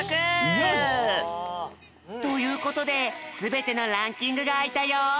よし！ということですべてのランキングがあいたよ！